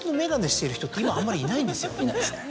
いないですね。